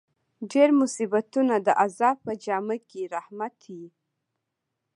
ډېر مصیبتونه د عذاب په جامه کښي رحمت يي.